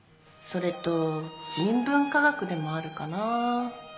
それと人文科学でもあるかな